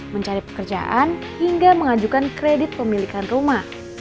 mencari pekerjaan hingga mengajukan kredit pemilikan rumah